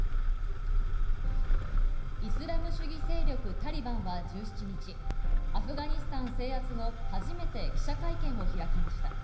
イスラム主義勢力・タリバンは１７日、アフガニスタン制圧後、初めて記者会見を開きました。